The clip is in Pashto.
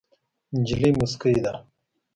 نجلۍ موسکۍ ده.